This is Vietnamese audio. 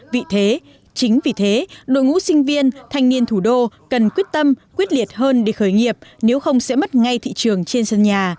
vì thế chính vì thế đội ngũ sinh viên thanh niên thủ đô cần quyết tâm quyết liệt hơn để khởi nghiệp nếu không sẽ mất ngay thị trường trên sân nhà